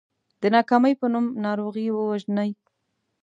د ناکامۍ په نوم ناروغي ووژنئ .